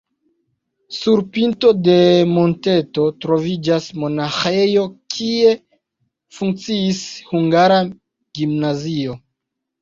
Sur pinto de monteto troviĝas monaĥejo, kie funkciis hungara gimnazio.